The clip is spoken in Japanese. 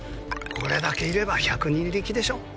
これだけいれば百人力でしょ？